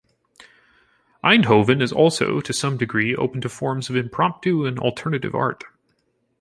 Eindhoven is also, to some degree, open to forms of impromptu and alternative art.